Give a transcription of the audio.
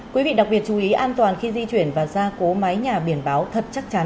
quý vị đặc biệt chú ý an toàn khi di chuyển và ra cố mái nhà biển báo thật chắc chắn